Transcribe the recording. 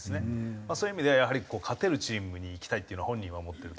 そういう意味ではやはり勝てるチームに行きたいっていうのは本人は思ってると。